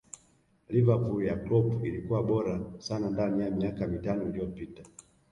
liverpool ya Kloop ilikuwa bora sana ndani ya miaka mitano iliyopita